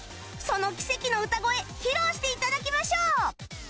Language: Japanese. その奇跡の歌声披露して頂きましょう